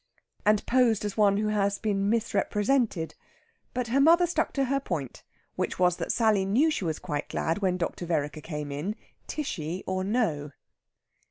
and posed as one who has been misrepresented. But her mother stuck to her point, which was that Sally knew she was quite glad when Dr. Vereker came in, Tishy or no.